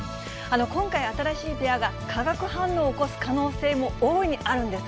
今回、新しいペアが化学反応を起こす可能性も大いにあるんです。